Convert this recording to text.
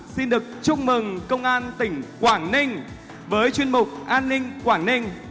xin được chúc mừng công an tỉnh quảng ninh với chuyên mục an ninh quảng ninh